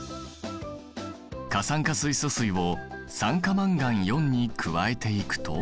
過酸化水素水を酸化マンガンに加えていくと。